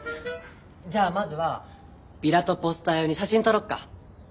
じゃあまずはビラとポスター用に写真撮ろっか。